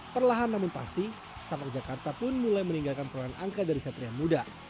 perlahan namun pasti startup jakarta pun mulai meninggalkan perairan angka dari satria muda